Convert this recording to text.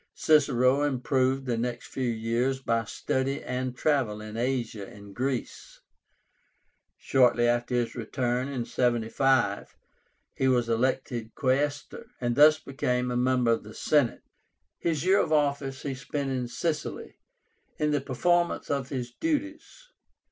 Cicero improved the next few years by study and travel in Asia and Greece. Shortly after his return, in 75, he was elected Quaestor, and thus became a member of the Senate. His year of office he spent in Sicily, in the performance of his duties.